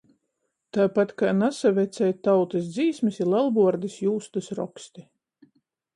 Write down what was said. Taipat kai nasavecej tautys dzīsmis i Lelvuordis jūstys roksti,